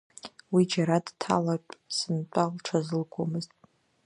Уи џьара дҭалартә сынтәа лҽазылкуамызт.